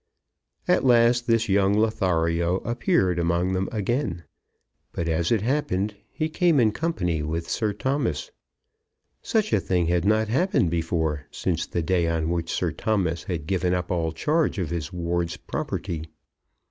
At last this young Lothario appeared among them again; but, as it happened, he came in company with Sir Thomas. Such a thing had not happened before since the day on which Sir Thomas had given up all charge of his ward's property.